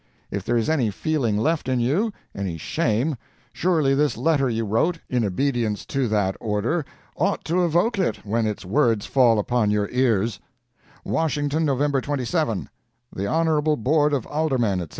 If there is any feeling left in you any shame surely this letter you wrote, in obedience to that order, ought to evoke it, when its words fall upon your ears: 'WASHINGTON, Nov. 27 'The Honorable Board of Aldermen, etc.